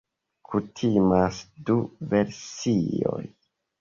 Kutimas du versioj.